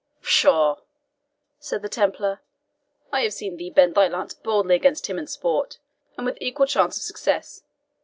"Pshaw," said the Templar, "I have seen thee bend thy lance boldly against him in sport, and with equal chance of success.